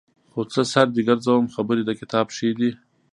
خو څه سر دې ګرځوم خبرې د کتاب ښې دي.